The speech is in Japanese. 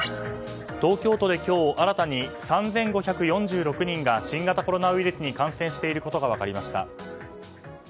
東京都で今日新たに３５４６人が新型コロナウイルスに感染していることが分かりました。